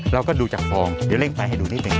เราก็ดูจากฟองเดี๋ยวเร่งไฟให้ดูนิดหนึ่ง